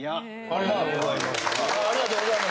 ありがとうございます。